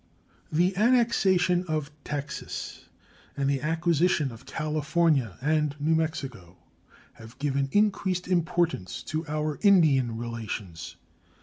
The annexation of Texas and the acquisition of California and New Mexico have given increased importance to our Indian relations.